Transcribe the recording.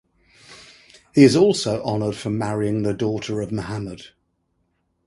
He is also honored for marrying the daughter of Muhammed.